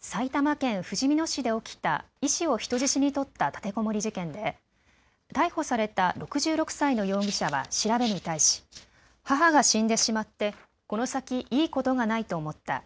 埼玉県ふじみ野市で起きた医師を人質に取った立てこもり事件で逮捕された６６歳の容疑者は調べに対し、母が死んでしまってこの先いいことがないと思った。